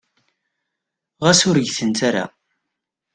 Ɣas ur gtent ara.